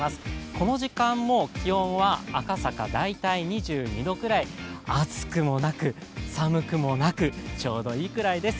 この時間も気温は赤坂、大体２２度くらい暑くもなく、寒くもなく、ちょうどいいくらいです。